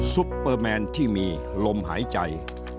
ซุปเปอร์แมนที่มีลมหายใจ